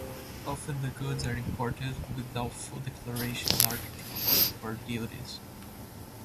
Often the goods are imported without full declaration in order to avoid import duties.